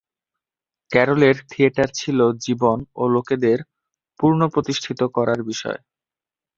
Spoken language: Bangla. ক্যারলের থিয়েটার ছিল জীবন ও লোকেদের পুনর্প্রতিষ্ঠিত করার বিষয়ে।